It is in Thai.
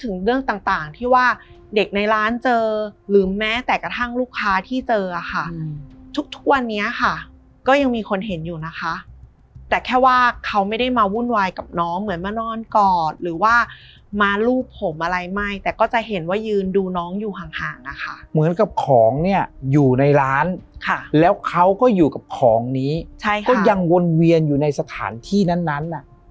เรื่องต่างที่ว่าเด็กในร้านเจอหรือแม้แต่กระทั่งลูกค้าที่เจอค่ะทุกทุกวันนี้ค่ะก็ยังมีคนเห็นอยู่นะคะแต่แค่ว่าเขาไม่ได้มาวุ่นวายกับน้องเหมือนมานอนกอดหรือว่ามารูปผมอะไรไม่แต่ก็จะเห็นว่ายืนดูน้องอยู่ห่างห่างอะค่ะเหมือนกับของเนี่ยอยู่ในร้านค่ะแล้วเขาก็อยู่กับของนี้ใช่ค่ะก็ยังวนเวียนอยู่ในสถานที่นั้นนั้นน่ะ